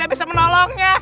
aku tidak bisa menolongnya